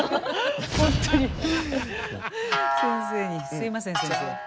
すみません先生。